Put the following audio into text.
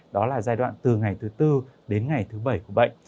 đó là giai đoạn từ ngày thứ tư đến ngày thứ bảy của bệnh